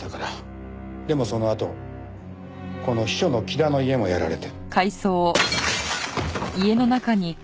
でもそのあとこの秘書の木田の家もやられて。